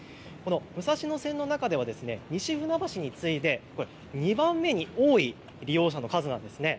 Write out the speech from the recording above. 武蔵野線の中では西船橋に次いで２番目に多い利用者の数なんです。